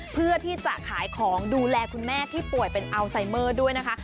เพื่อที่จะขายของดูแลคุณแม่ที่ป่วยเป็นอัลไซเมอร์ด้วยนะคะ